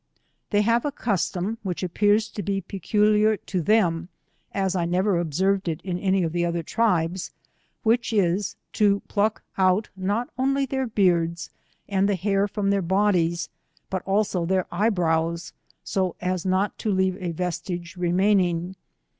They have a custom which appears to be peculiav to them, as I never observed it iu any of the other tribes, which is to pluck out not only their beards, and the hair from their bodies, but also their eye brows, so as not to leave a vestige remaining.